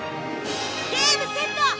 ゲームセット！